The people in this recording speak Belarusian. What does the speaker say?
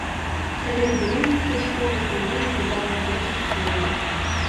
Калі і былі нейкія спробы, то яны выглядалі досыць кволымі.